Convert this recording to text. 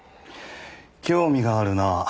興味があるなぁ。